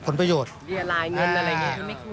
ผลประโยชน์เรียรายเงินอะไรอย่างนี้